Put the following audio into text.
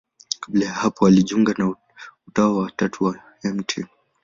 Kabla ya hapo alijiunga na Utawa wa Tatu wa Mt.